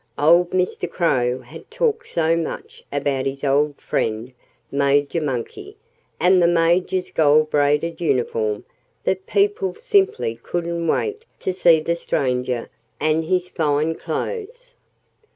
Old Mr. Crow had talked so much about his old friend Major Monkey and the Major's gold braided uniform that people simply couldn't wait to see the stranger and his fine clothes.